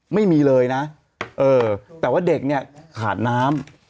ไม่มีเลยนะเออแต่ว่าเด็กเนี่ยขาดน้ำ